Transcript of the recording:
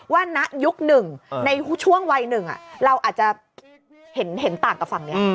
ณยุคหนึ่งในช่วงวัยหนึ่งเราอาจจะเห็นต่างกับฝั่งนี้